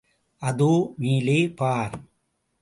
அதோ மேலே பார்.